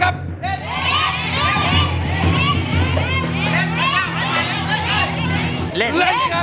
เพลงที่สี่